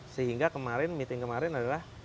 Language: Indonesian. sehingga kemarin meeting kemarin adalah